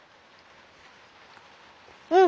うん！